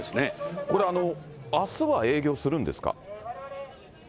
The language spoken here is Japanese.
これ、あすは営業するんですか？